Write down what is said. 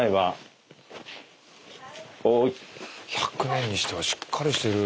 １００年にしてはしっかりしてる。